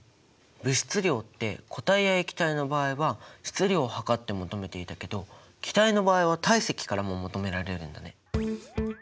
物質量って固体や液体の場合は質量を量って求めていたけど気体の場合は体積からも求められるんだね。